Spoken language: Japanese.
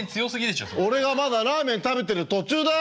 「俺がまだラーメン食べてる途中だよ」。